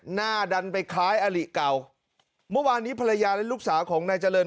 หน้าดันไปคล้ายอลิเก่าเมื่อวานนี้ภรรยาและลูกสาวของนายเจริญ